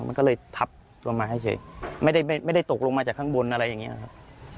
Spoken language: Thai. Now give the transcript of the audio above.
มันก็เลยทับลงมาให้เฉยไม่ได้ไม่ได้ตกลงมาจากข้างบนอะไรอย่างนี้ครับ